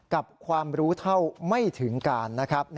กับความรู้เท่าไม่ถึงการนะครับ